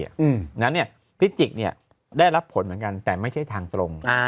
ดังนั้นเนี่ยพิศจิกย์เนี่ยได้รับผลเหมือนกันแต่ไม่ใช่ทางตรง